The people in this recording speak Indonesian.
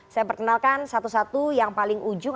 saya perkenalkan satu satu yang paling ujung